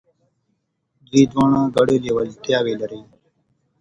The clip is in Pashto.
دوی دواړه ګډي لېوالتياوي لري.